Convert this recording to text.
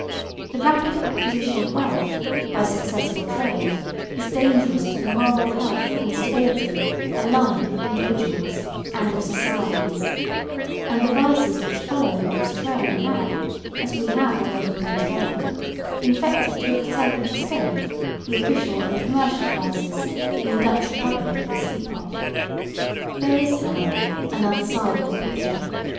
The rapid acquisition of wealth by successful trade is dangerous to the moral health and stability alike of individuals and of societies; and the vices which follow in its train had, as we have already pointed out, infected to a certain extent the official and commercial classes in the Dutch republic at this epoch. There is, however, another side of the picture.